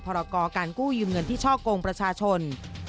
รกรการกู้ยืมเงินที่ช่อกงประชาชน